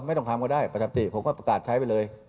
ไม่ต้องทำก็ได้ปกติผมก็ประกาศใช้ไปเลย